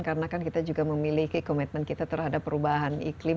karena kan kita juga memiliki commitment kita terhadap perubahan iklim